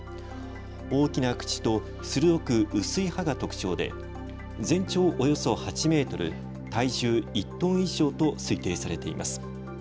大きな口と鋭く薄い歯が特徴で全長およそ８メートル、体重１トン以上と推定されています。